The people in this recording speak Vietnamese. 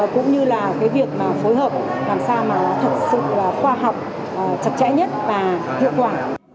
cũng như là việc phối hợp làm sao mà thực sự khoa học chặt chẽ nhất và hiệu quả